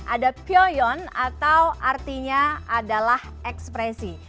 ada pyo yon atau artinya adalah ekspresi